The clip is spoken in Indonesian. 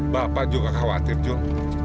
bapak juga khawatir jul